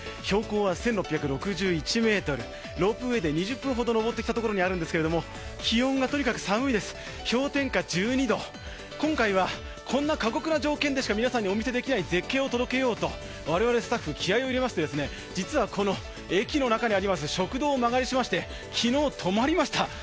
標高は１６６１ｍ、ロープウェーで２０分ほど登ってきたところにあるんですが気温がとにかく寒いです、氷点下１２度、今回はこんな過酷な条件でしか皆さんにお見せできない絶景をお届けしようと我々スタッフ気合いを入れまして実は、駅の中にあります食堂を間借りしまして、昨日、泊まりました。